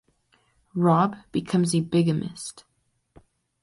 Rob becomes a bigamist.